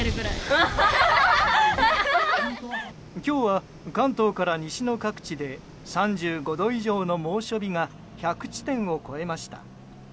今日は関東から西の各地で３５度以上の猛暑日が１００地点を超えました。